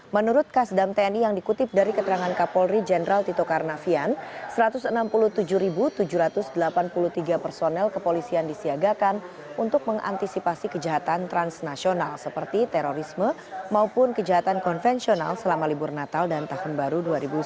menurut kasdam tni yang dikutip dari keterangan kapolri jenderal tito karnavian satu ratus enam puluh tujuh tujuh ratus delapan puluh tiga personel kepolisian disiagakan untuk mengantisipasi kejahatan transnasional seperti terorisme maupun kejahatan konvensional selama libur natal dan tahun baru dua ribu sembilan belas